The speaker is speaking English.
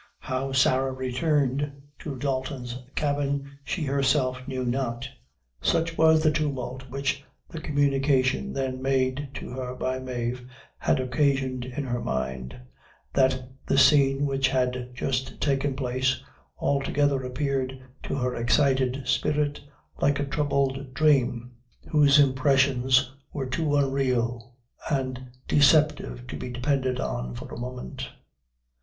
How Sarah returned to Dalton's cabin she herself knew not. Such was the tumult which the communication then made to her by Mave, had occasioned in her mind, that, the scene which had just taken place, altogether appeared to her excited spirit like a troubled dream, whose impressions were too unreal and deceptive to be depended on for a moment.